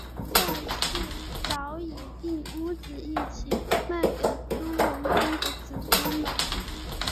现在是早已并屋子一起卖给朱文公的子孙了